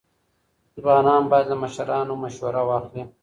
ځوانان باید له مشرانو مسوره واخلي.